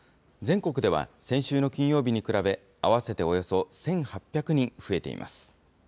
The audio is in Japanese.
全国では先週の金曜日に比べ、合わせておよそ１８００人増えています。